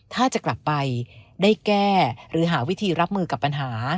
ถ้าจะกลับไปได้แก้หรือหาวิธีรับมือกับปัญหา